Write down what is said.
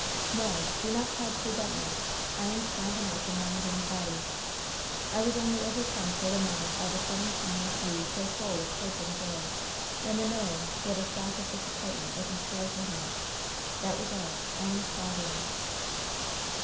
No! do not try to prevent me! I am strong enough in mind and body! I was only overcome for the moment by the sudden coming of Le so full of hope and joy, and the knowing what a shock of disappointment was in store for him. That was all. I am stronger now."